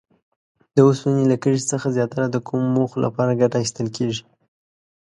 د اوسپنې له کرښې څخه زیاتره د کومو موخو لپاره ګټه اخیستل کیږي؟